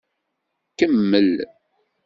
Kemmel!